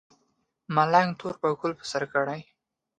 ملنګ تور پکول په سر کړی و.